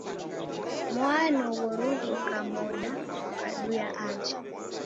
Mwano ghoruw'uka moda ghukaduya aja